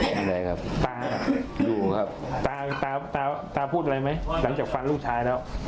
ไม่ได้ครับตาพูดอะไรไหมหลังจากฟันลูกชายแล้ว